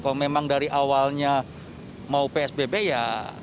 kalau memang dari awalnya mau psbb ya